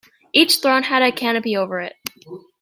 Each throne had a canopy over it.